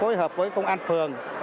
phối hợp với công an phường